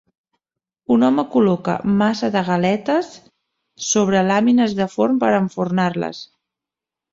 Un home col·loca massa de galetes sobre làmines de forn per enfornar-les.